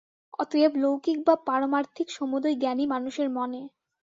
অতএব লৌকিক বা পারমার্থিক সমুদয় জ্ঞানই মানুষের মনে।